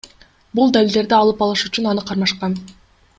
Бул далилдерди алып алыш үчүн аны кармашкан.